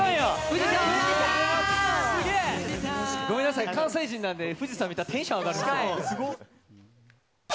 ごめんなさい、関西人なんで、富士山見たらテンション上がるんですよ。